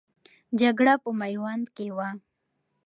جګړه په میوند کې وه.